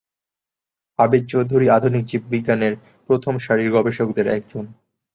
আবেদ চৌধুরী আধুনিক জীববিজ্ঞানের প্রথম সারির গবেষকদের একজন।